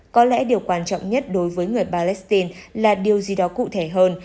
có lẽ điều quan trọng nhất đối với người palestine là điều gì đó cụ thể hơn